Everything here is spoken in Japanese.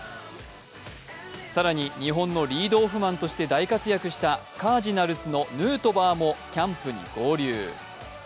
更に日本のリードオフマンとして大活躍したカージナルスのヌートバーもキャンプに合流。